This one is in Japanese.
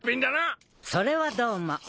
それはどうも。